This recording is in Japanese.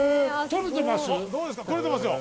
取れてますよ。